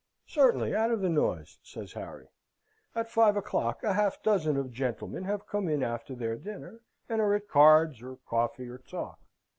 "Certainly, out of the noise," says Harry. At five o'clock a half dozen of gentlemen have come in after their dinner, and are at cards, or coffee, or talk.